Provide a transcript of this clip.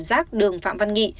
giác đường phạm văn nghị